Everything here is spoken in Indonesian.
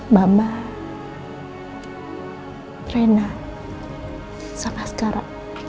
mama rena sama skara